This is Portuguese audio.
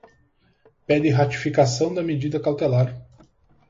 Pede ratificação da medida cautelar